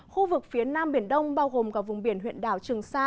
khu vực phía nam biển đông bao gồm cả vùng biển huyện đảo trường sa